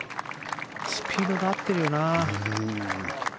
スピードが合ってるよな。